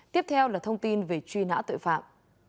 tiếp theo là thông tin về truy nã tội phạm